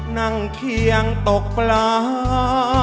นั่งเคียงตกปลา